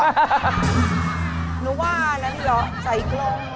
รู้ว่านั้นหรือใส่กรง